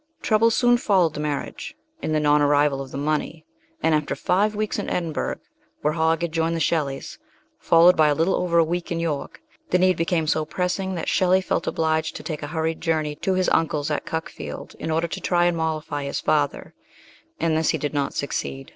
Troubles soon followed the marriage, in the non arrival of the money; and after five weeks in Edinburgh, where Hogg had joined the Shelleys, followed by a little over a week in York, the need became so pressing that Shelley felt obliged to take a hurried journey to his uncle's at Cuckfield, in order to try and mollify his father; in this he did not succeed.